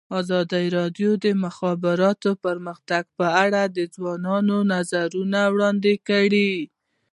ازادي راډیو د د مخابراتو پرمختګ په اړه د ځوانانو نظریات وړاندې کړي.